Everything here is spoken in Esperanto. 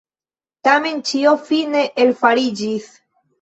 Tamen ĉio fine elfariĝis.